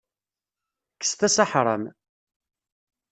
Kkset-as aḥram.